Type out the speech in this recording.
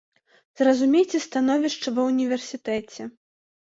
Зразумейце становішча ва ўніверсітэце.